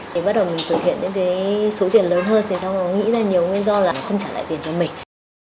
thì bắt đầu mình thực hiện những số tiền lớn hơn thì họ nghĩ ra nhiều nguyên do là không trả lại tiền cho mình